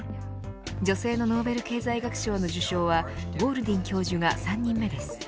女性のノーベル経済学賞の受賞はゴールディン教授が３人目です。